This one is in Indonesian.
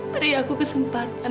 beri aku kesempatan